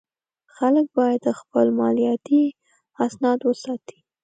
خلک باید خپل مالیاتي اسناد وساتي.